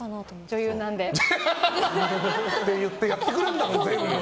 女優なんで。って言って全部やってくれるんだもん。